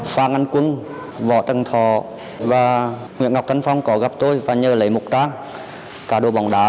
phan anh quân võ trần thọ và nguyễn ngọc tân phong có gặp tôi và nhờ lấy mục trang cá độ bóng đá